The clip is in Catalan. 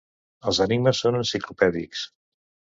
Els enigmes són enciclopèdics.